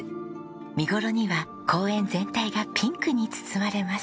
見頃には公園全体がピンクに包まれます。